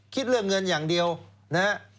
คิดเรื่องเงินอย่างเดียวนะฮะ